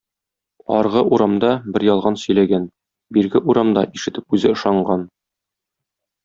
Аргы урамда бер ялган сөйләгән, бирге урамда ишетеп үзе ышанган.